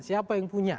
siapa yang punya